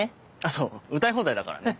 そう歌い放題だからね。